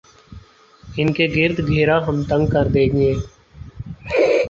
ان کے گرد گھیرا ہم تنگ کر دیں گے۔